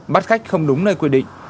bắt khách không đúng nơi quy định